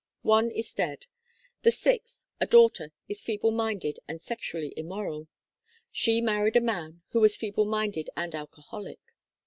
One is dead. The sixth, a daughter, is feeble minded and sexually immoral. She married a man who was feeble minded and alcoholic.